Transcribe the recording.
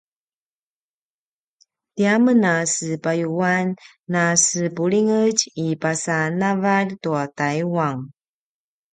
tiamen a sepayuan na sepulingetj i pasa navalj tua taiwan